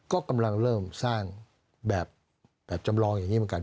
ก็กำลังเริ่มสร้างแบบจำลองอย่างนี้เหมือนกัน